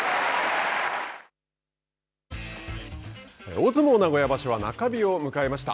大相撲、名古屋場所は中日を迎えました。